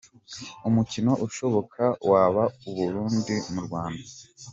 Umukino ushoboka waba u Burundi mu Rwanda.